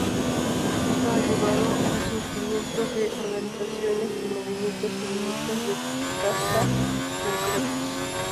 Esto ha llevado al surgimiento de organizaciones y movimientos feministas de casta concretos